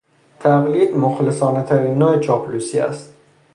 تقلید مخلصانهترین نوع چاپلوسی است.